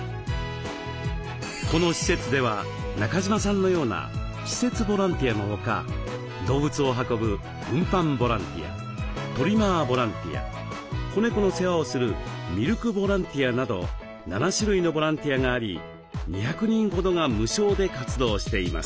この施設では中島さんのような施設ボランティアのほか動物を運ぶ運搬ボランティアトリマーボランティア子猫の世話をするミルクボランティアなど７種類のボランティアがあり２００人ほどが無償で活動しています。